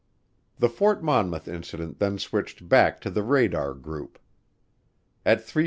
The Fort Monmouth Incident then switched back to the radar group. At 3:15P.